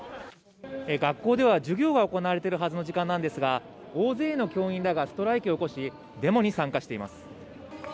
学校では授業が行われているはずの時間なんですが、大勢の教員らがストライキを起こし、デモに参加しています。